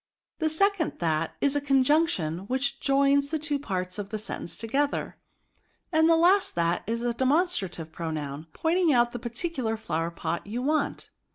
The second that is a con junction^ which joins the two parts of the sen tence together ; and the last that is a demon strative pronoun, pointing out the particular flowerpot you want."